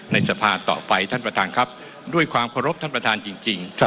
สภาต่อไปท่านประธานครับด้วยความเคารพท่านประธานจริง